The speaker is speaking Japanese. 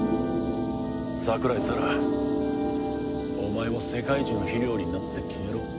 桜井沙羅お前も世界樹の肥料になって消えろ。